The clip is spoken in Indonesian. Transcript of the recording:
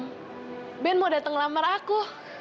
nanti malam ben mau datang ngelamar aku